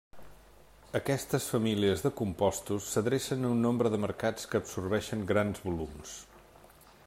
Aquestes famílies de compostos s'adrecen a un nombre de mercats que absorbeixen grans volums.